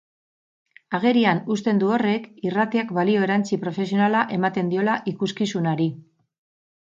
Agerian uzten du horrek irratiak balio erantsi profesionala ematen diola ikuskizunari.